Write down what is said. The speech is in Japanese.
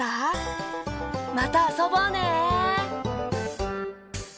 またあそぼうね！